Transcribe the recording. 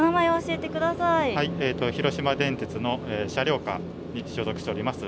広島電鉄の車両課に所属しております